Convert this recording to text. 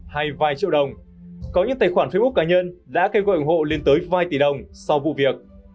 hay vài triệu đồng có những tài khoản facebook cá nhân đã kêu gọi ủng hộ lên tới vài tỷ đồng sau vụ việc